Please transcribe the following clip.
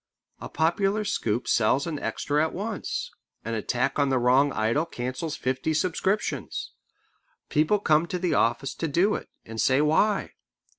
A popular scoop sells an extra at once. An attack on the wrong idol cancels fifty subscriptions. People come to the office to do it, and say why.